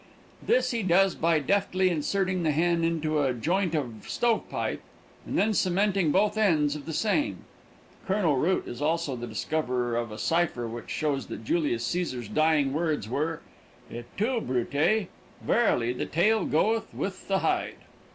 This he does by deftly inserting the hen into a joint of stove pipe and then cementing both ends of the same. Colonel Root is also the discoverer of a cipher which shows that Julius Cæsar's dying words were: "Et tu Brute. Verily the tail goeth with the hide."